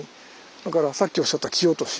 だからさっきおっしゃった木落し。